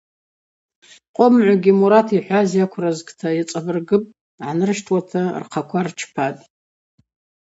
Къомыгӏвкӏгьи Мурат йхӏваз йаквразта цӏабыргыпӏ гӏанырщтуата рхъаква рчпатӏ.